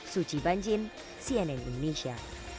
suci banjin cnn indonesia